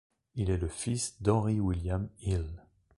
Il est le fils d’Henry William Hill.